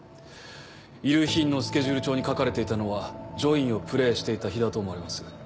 遺留品のスケジュール帳に書かれていたのは『ジョイン』をプレーしていた日だと思われます。